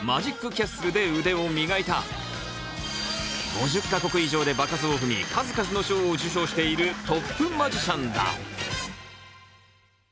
５０か国以上で場数を踏み数々の賞を授賞しているトップマジシャンだ。